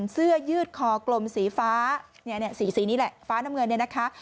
เสื้อยืดคอกลมสีฟ้าเนี่ยสีนี้แหละฟ้าน้ำเงินเนี่ยนะคะ